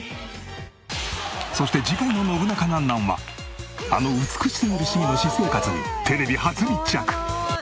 そして次回の『ノブナカなんなん？』はあの美しすぎる市議の私生活にテレビ初密着。